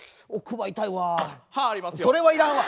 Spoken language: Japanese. それはいらんわ！